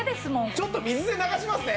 ちょっと水で流しますね。